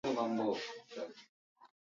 Leo ni siku ya taifa